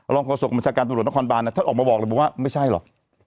รองความส่วนของบริษัทการตำรวจต้องคอนบานนะท่านออกมาบอกเลยว่าไม่ใช่หรอก